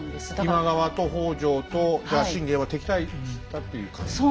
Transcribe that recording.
今川と北条とじゃあ信玄は敵対したっていう感じですか？